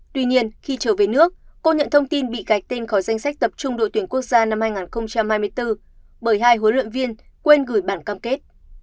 tuy nhiên khi trở về nước cô nhận thông tin bị gạch tên khỏi danh sách tập trung đội tuyển quốc gia năm hai nghìn hai mươi bốn bởi hai huấn luyện viên quên gửi bản cam kết